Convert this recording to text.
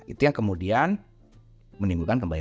itu yang kemudian menimbulkan pembayaran